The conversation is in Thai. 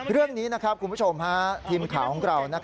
เรื่องนี้คุณผู้ชมทีมข่าวของเรา